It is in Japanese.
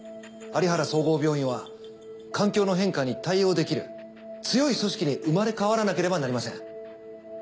有原総合病院は環境の変化に対応できる強い組織に生まれ変わらなければなりません。